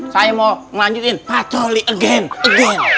saya mau melanjutin patroli again